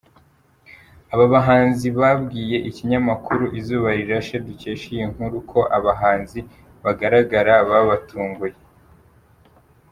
Aba bahanzi babwiye Ikinyamakuru Izuba Rirashe dukesha iyi nkuru ko abahanzi bagaragara babatunguye.